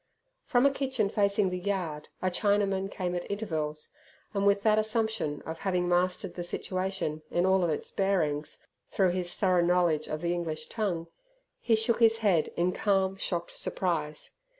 From a kitchen facing the yard a Chinaman came at intervals, and with that assumption of having mastered the situation in all its bearings through his thorough knowledge of the English tongue, he shook his head in calm, shocked surprise.